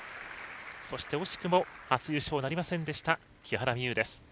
そして、惜しくも初優勝なりませんでした木原美悠です。